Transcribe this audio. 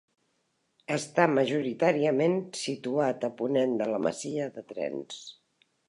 Està majoritàriament situat a ponent de la masia de Trens.